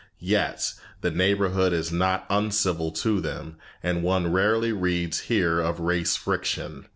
Yet, the neighborhood is not uncivil to them, and one rarely reads here of race friction.